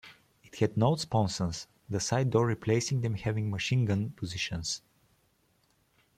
It had no sponsons; the side doors replacing them having machine gun positions.